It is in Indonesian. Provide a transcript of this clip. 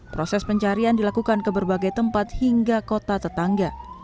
proses pencarian dilakukan ke berbagai tempat hingga kota tetangga